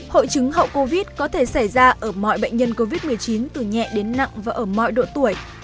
hội chứng hậu covid có thể xảy ra ở mọi bệnh nhân covid một mươi chín từ nhẹ đến nặng và ở mọi độ tuổi